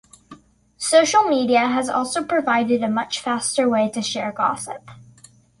Social media has also provided a much faster way to share gossip.